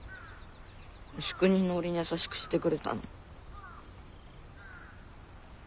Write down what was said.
無宿人の俺に優しくしてくれたのも。